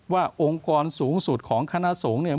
องค์กรสูงสุดของคณะสงฆ์เนี่ย